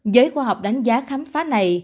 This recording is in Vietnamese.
giới khoa học đánh giá khám phá này